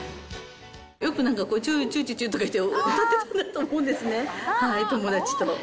よくなんか、ちゅうちゅうちゅちゅって、歌ってたと思うんですね、友達と。